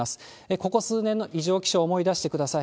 ここ数年の異常気象を思い出してください。